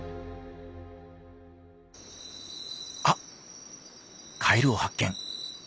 あっカエルを発見！